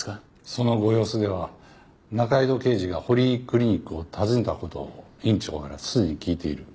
そのご様子では仲井戸刑事が堀井クリニックを訪ねた事を院長からすでに聞いている。